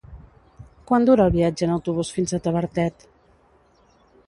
Quant dura el viatge en autobús fins a Tavertet?